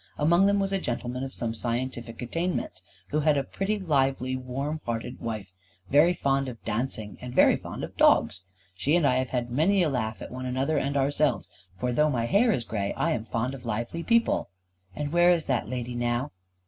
Among them was a gentleman of some scientific attainments, who had a pretty lively warm hearted wife, very fond of dancing, and very fond of dogs. She and I have had many a laugh at one another and ourselves; for, though my hair is grey, I am fond of lively people." "And where is that lady now?"